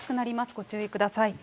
ご注意ください。